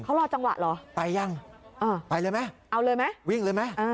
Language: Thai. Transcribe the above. เขารอจังหวะหรอไปยังเออไปเลยมั้ยเอาเลยมั้ยวิ่งเลยมั้ยเออ